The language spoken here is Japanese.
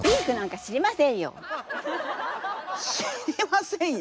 知りませんよ。